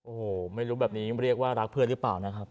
โอ้โหไม่รู้แบบนี้เรียกว่ารักเพื่อนหรือเปล่านะครับ